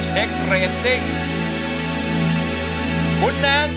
ร้องได้ให้ร้าน